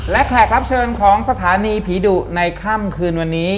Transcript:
และแขกรับเชิญของสถานีผีดุในค่ำคืนวันนี้